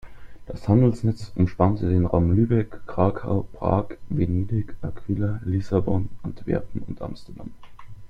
Das Handelsnetz umspannte den Raum Lübeck, Krakau, Prag, Venedig, Aquila, Lissabon, Antwerpen und Amsterdam.